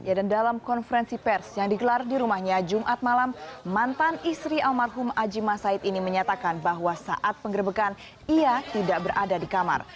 ya dan dalam konferensi pers yang digelar di rumahnya jumat malam mantan istri almarhum aji masaid ini menyatakan bahwa saat penggerbekan ia tidak berada di kamar